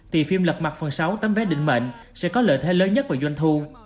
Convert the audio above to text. thì phim lật mặt phần sáu tấm vé định mệnh sẽ có lợi thế lớn nhất vào doanh thu